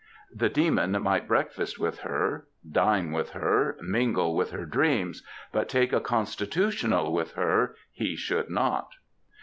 The demon might breakfast with her, dine with her, mingle with her dreams, but take a constitutional with her he should not!